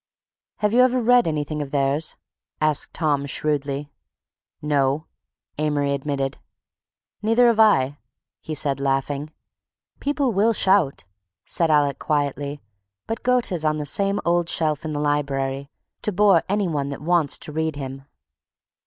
"Have you ever read anything of theirs?" asked Tom shrewdly. "No," Amory admitted. "Neither have I," he said laughing. "People will shout," said Alec quietly, "but Goethe's on his same old shelf in the library—to bore any one that wants to read him!"